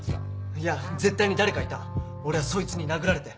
いや絶対に誰かいた俺はそいつに殴られて。